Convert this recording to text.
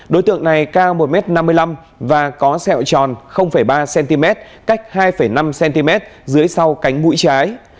đối tượng này cao một m năm mươi năm và có sẹo tròn ba cm cách hai năm cm dưới sau cánh mũi trái